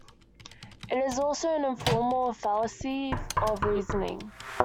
It is also an informal fallacy of reasoning.